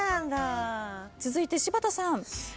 続いて柴田さん。